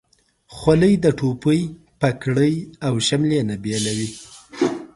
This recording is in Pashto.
خولۍ د ټوپۍ، پګړۍ، او شملې نه بیله وي.